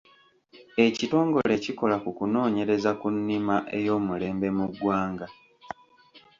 Ekitongole ekikola ku kunoonyereza ku nnima oy’omulembe mu ggwanga.